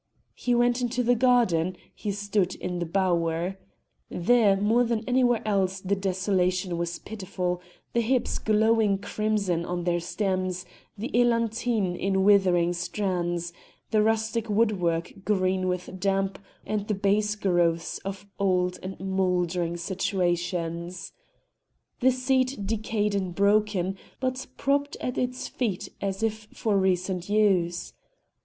He went into the garden, he stood in the bower. There more than anywhere else the desolation was pitiful the hips glowing crimson on their stems, the eglantine in withering strands, the rustic woodwork green with damp and the base growths of old and mouldering situations, the seat decayed and broken, but propped at its feet as if for recent use.